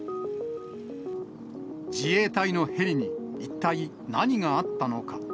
自衛隊のヘリに一体何があったのか。